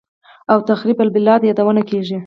او «تخریب البلاد» یادونه کېږي